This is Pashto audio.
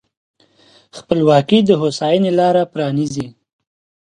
خپلواکي د هوساینې لاره پرانیزي.